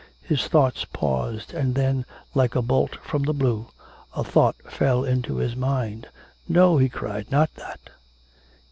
His thoughts paused, and then, like a bolt from the blue, a thought fell into his mind. 'No,' he cried, 'not that.'